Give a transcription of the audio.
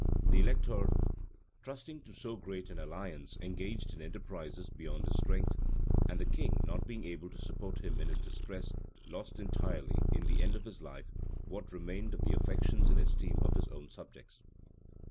The elector, trusting to so great an alliance, engaged in enterprises beyond his strength: and the king, not being able to support him in his distress, lost entirely, in the end of his life, what remained of the affections and esteem of his own subjects.